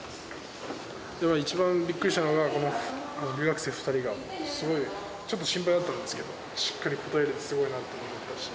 一番びっくりしたのが、この留学生２人が、すごい、ちょっと心配だったんですけど、しっかり答えられてすごいなと思いました。